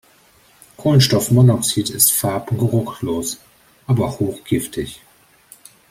Kohlenstoffmonoxid ist farb- und geruchlos, aber hochgiftig.